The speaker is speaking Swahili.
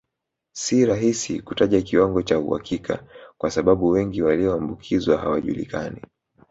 Si rahisi kutaja kiwango kwa uhakika kwa sababu wengi walioambukizwa hawajulikani